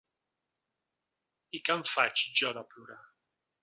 I què en faig jo de plorar?